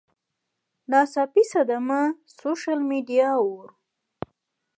ناڅاپي صدمه ، سوشل میډیا اوور